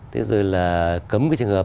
thế rồi là cấm cái trường hợp